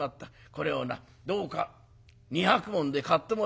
これをなどうか二百文で買ってもらいたい」。